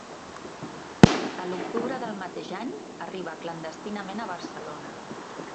A l'octubre del mateix any, arriba clandestinament a Barcelona.